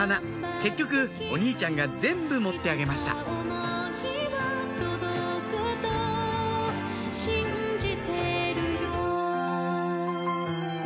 結局お兄ちゃんが全部持ってあげましたいつか思いは届くと信じてるよ